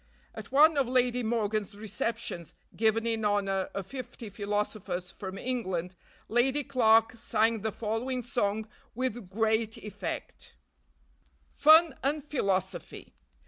At one of Lady Morgan's receptions, given in honor of fifty philosophers from England, Lady Clarke sang the following song with "great effect:" FUN AND PHILOSOPHY.